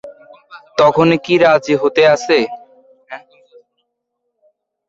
তখুনি কি রাজি হতে আছে?